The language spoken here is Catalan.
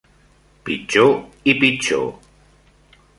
Pitjor i pitjor